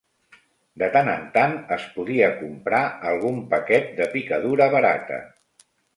De tant en tant es podia comprar algun paquet de picadura barata